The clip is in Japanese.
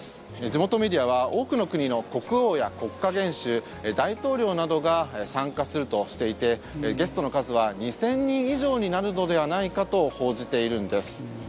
地元メディアは多くの国の国王や国家元首大統領などが参加するとしていてゲストの数は２０００人以上になるのではないかと報じているんです。